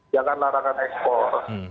jangkaan larangan ekspor